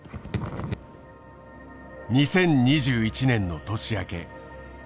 ２０２１年の年明け。